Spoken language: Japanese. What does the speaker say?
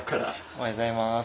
おはようございます。